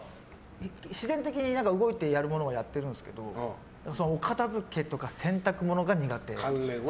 必然的に動いてやるものはやってるんですけどお片付けとか洗濯物が苦手。